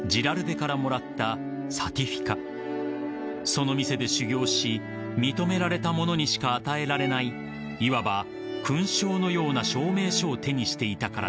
［その店で修業し認められた者にしか与えられないいわば勲章のような証明書を手にしていたからだ］